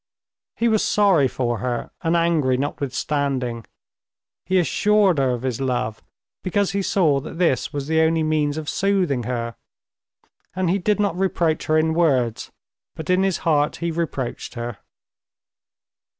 He was sorry for her, and angry notwithstanding. He assured her of his love because he saw that this was the only means of soothing her, and he did not reproach her in words, but in his heart he reproached her.